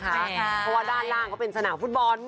เพราะว่าด้านล่างก็เป็นสนามฟุตบอล